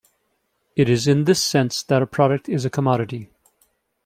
It is in this sense that a product is a commodity.